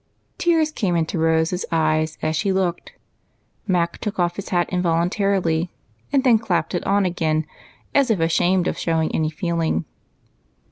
Tears came into Rose's eyes as she looked ; Mac took his hat ofi: involuntarily, and then clapped it on again as if ashamed of showing any feeling.